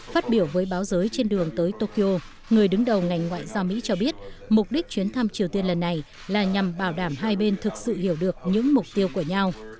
phát biểu với báo giới trên đường tới tokyo người đứng đầu ngành ngoại giao mỹ cho biết mục đích chuyến thăm triều tiên lần này là nhằm bảo đảm hai bên thực sự hiểu được những mục tiêu của nhau